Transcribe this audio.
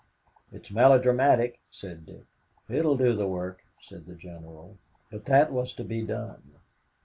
"It's melodrama," said Dick. "It will do the work," said the General. But that was to be done.